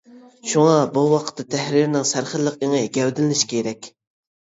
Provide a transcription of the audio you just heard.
شۇڭا بۇ ۋاقىتتا تەھرىرنىڭ سەرخىللىق ئېڭى گەۋدىلىنىشى كېرەك.